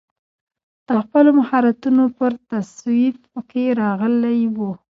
د خپلو مهارتونو پر توصیف کې راغلی و.